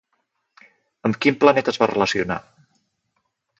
Amb quin planeta es va relacionar?